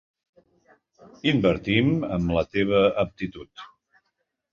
Invertim en la teva aptitud.